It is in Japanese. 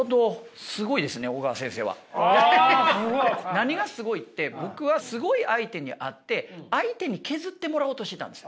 何がすごいって僕はすごい相手に会って相手に削ってもらおうとしてたんです。